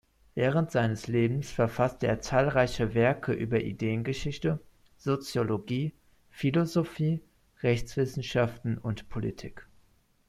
Während seines Lebens verfasste er zahlreiche Werke über Ideengeschichte, Soziologie, Philosophie, Rechtswissenschaften und Politik.